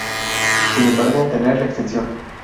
Sin embargo, tener la extensión.